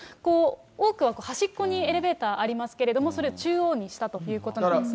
多くは端っこにエレベーターありますけれども、それを中央にしたということなんですね。